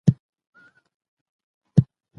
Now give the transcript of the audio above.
په کندهار او هلمند کې دودونه وڅېړئ.